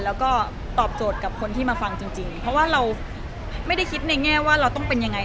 แล้วก็ตอบโจทย์กับคนที่มาฟังจริงเพราะว่าเราไม่ได้คิดในแง่ว่าเราต้องเป็นยังไง